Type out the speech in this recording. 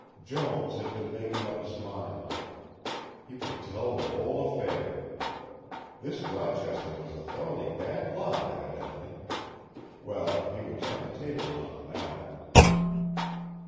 Jones had been making up his mind. He would tell the whole affair. This Rochester was a thoroughly bad lot evidently; well, he would turn the tables on him now.